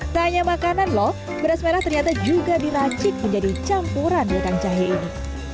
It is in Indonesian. tak hanya makanan lho beras merah ternyata juga diracik menjadi campuran utang jahe ini